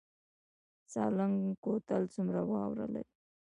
سالنګ کوتل څومره واوره لري؟